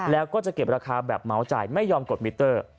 แล้วก็จะเก็บราคาแบบเมาส์จ่ายไม่ยอมกดมิเตอร์